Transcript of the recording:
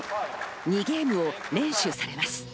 ２ゲームを連取されます。